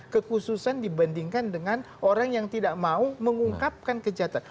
kekhususan dibandingkan dengan orang yang tidak mau mengungkapkan kejahatan